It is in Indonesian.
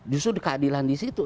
justru keadilan di situ